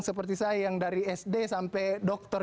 seperti saya yang dari sd sampai dokter